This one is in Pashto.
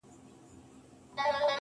زه به دا ټول كندهار تاته پرېږدم.